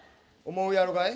思うやろがい？